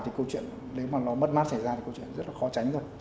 thì câu chuyện nếu mà nó mất mát xảy ra thì câu chuyện rất là khó tránh rồi